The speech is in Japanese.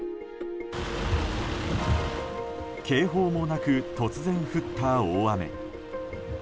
警報もなく突然降った大雨。